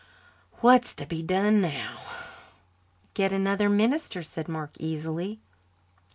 What's to be done now?" "Get another minister," said Mark easily.